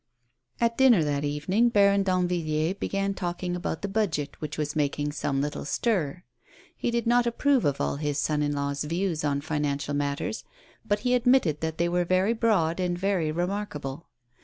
At dinner that evening Baron Danvilliers began talk ing about the Budget, which was making some little stir. He did not approve of all his son in law's views on financial matters, but he admitted that they were very broad and very remarkable.